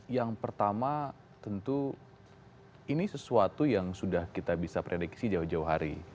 yang pertama tentu ini sesuatu yang sudah kita bisa prediksi jauh jauh hari